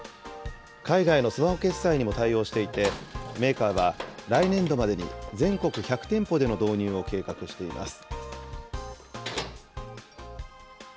海外のスマホ決済にも対応していて、メーカーは来年度までに全国１００店舗での導入を計画しています。